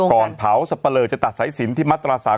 แล้วมาโยงกัน